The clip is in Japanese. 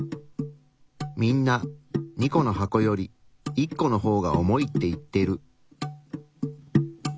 みんな２個の箱より１個の方が重いって言ってる。